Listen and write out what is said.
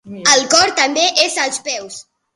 El cor també és als peus.